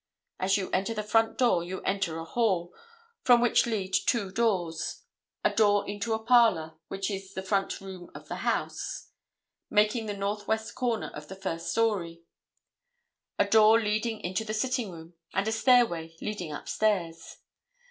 As you enter the front door you enter a hall, from which lead two doors, a door into a parlor, which is the front room in the house, making the northwest corner of the first story, a door leading into the sitting room, and a stairway leading upstairs.